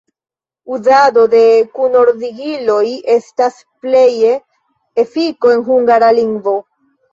Uzado de kunordigiloj estas pleje efiko de Hungara lingvo.